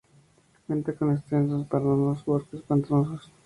Cuenta con extensos pantanos y bosques pantanosos.